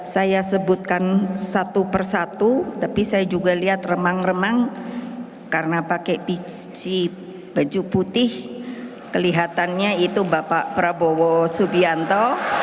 saya sebutkan satu persatu tapi saya juga lihat remang remang karena pakai biji baju putih kelihatannya itu bapak prabowo subianto